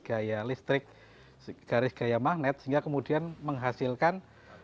gaya listrik garis gaya magnet sehingga kemudian menghasilkan